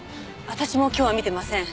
私も今日は見てません。